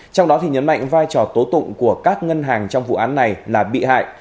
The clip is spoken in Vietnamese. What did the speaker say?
trong đó nhấn mạnh vai trò tố tụng của các ngân hàng trong vụ án này là bị hại